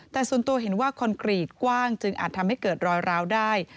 แต่ส่วนตัวเห็นว่าคอนกรีตกว้างจึงอาจทำให้เกิดรอยร้าวได้